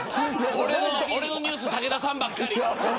俺のニュース武田さんばかり。